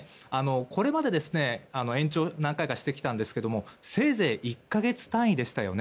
これまで延長を何回かしてきたんですけどせいぜい１か月単位でしたよね。